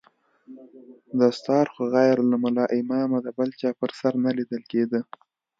دستار خو غير له ملا امامه د بل چا پر سر نه ليدل کېده.